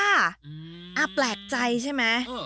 อ้าวแปลกใจใช่ไหม